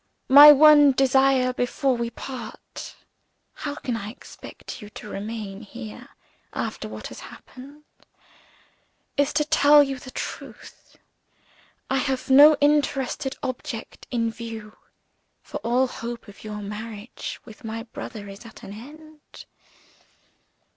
My one desire before we part how can I expect you to remain here, after what has happened? is to tell you the truth. I have no interested object in view; for all hope of your marriage with my brother is now at an end.